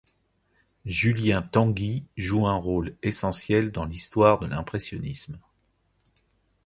Julien Tanguy joue un rôle essentiel dans l'histoire de l'impressionnisme.